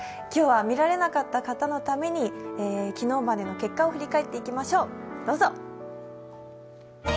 今日は見られなかった方のために昨日までの結果を振り返っていきましょう。